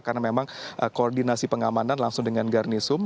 karena memang koordinasi pengamanan langsung dengan garnisum